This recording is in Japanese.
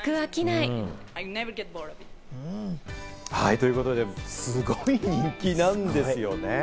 ということで、すごい人気なんですよね。